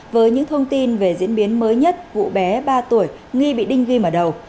với những thông tin về diễn biến mới nhất cụ bé ba tuổi nghi bị đinh ghi mở đầu